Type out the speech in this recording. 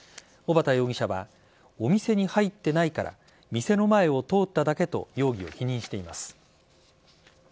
小畑容疑者はお店に入ってないから店の前を通っただけと容疑を否認しています。